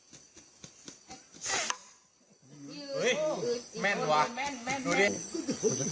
เฮ้ยแม่นดูว่ะดูดิ